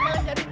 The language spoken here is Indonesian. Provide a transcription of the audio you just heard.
ih jangan cepat